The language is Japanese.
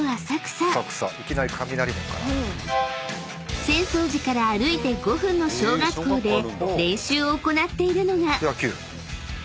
［浅草寺から歩いて５分の小学校で練習を行っているのが］